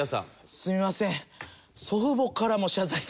すみません。